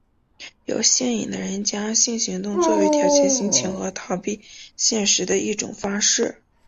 有性瘾的人将性行动作为调节心情和逃避现实的一种方式。